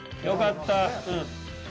よかった。